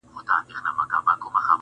اوس به څنګه پر اغزیو تر منزل پوري رسیږي؛